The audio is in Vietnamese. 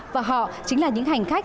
và họ chính là những hành khách